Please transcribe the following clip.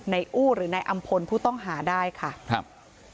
อู้หรือนายอำพลผู้ต้องหาได้ค่ะครับ